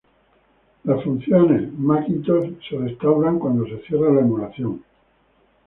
Las funciones Macintosh se restauran cuando se cierra la emulación.